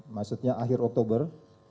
maksudnya akhir oktober dua ribu tujuh belas